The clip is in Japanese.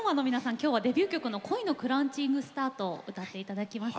今日はデビュー曲の「恋のクラウチングスタート」を歌って頂きます。